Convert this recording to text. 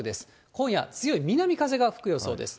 今夜、強い南風が吹く予想です。